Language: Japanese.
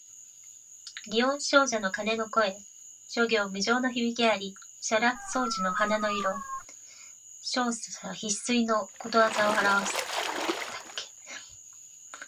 祇園精舎の鐘の声、諸行無常の響きあり。沙羅双樹の花の色、盛者必衰の理をあらわす。